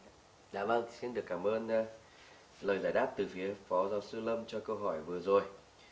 vâng xin được cảm ơn lời giải đáp từ phía phó giáo sư lâm cho câu hỏi vừa rồi